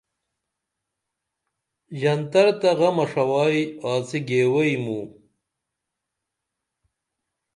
ژنتر تہ غمہ ݜوائی آڅی گیویئی موں